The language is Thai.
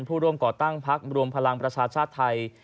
ผู้ร่วมก่อตั้งพักรวมพลังประชาชาติไทย